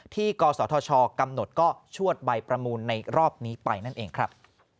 กศธชกำหนดก็ชวดใบประมูลในรอบนี้ไปนั่นเองครับ